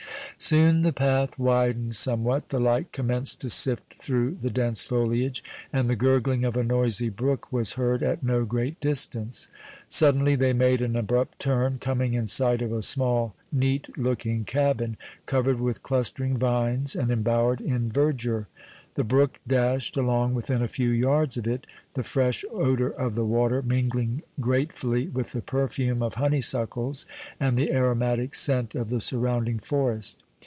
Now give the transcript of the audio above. Soon the path widened somewhat, the light commenced to sift through the dense foliage, and the gurgling of a noisy brook was heard at no great distance. Suddenly they made an abrupt turn, coming in sight of a small, neat looking cabin, covered with clustering vines and embowered in verdure. The brook dashed along within a few yards of it, the fresh odor of the water mingling gratefully with the perfume of honeysuckles and the aromatic scent of the surrounding forest.